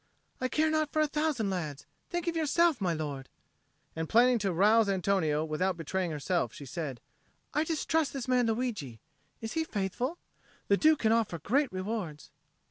"I care not for a thousand lads. Think of yourself, my lord!" And planning to rouse Antonio without betraying herself, she said, "I distrust this man Luigi. Is he faithful? The Duke can offer great rewards."